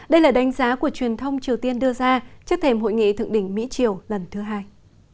đây là đánh giá của truyền thông triều tiên đưa ra trước thềm hội nghị thượng đỉnh mỹ triều lần thứ hai